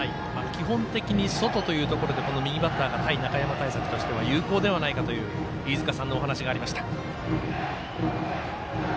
基本的に外というところでこの右バッターで対中山対策というところでは有効ではないかという飯塚さんの話がありました。